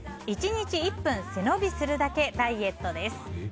１日１分背伸びするだけダイエットです。